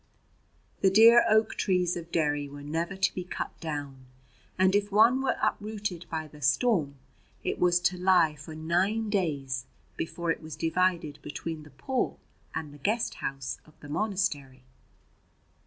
The dear oak trees of Derry were never to be cut down, and if one were uprooted by the storm it was to lie for nine days before it was divided between the poor and the guest house of the monastery.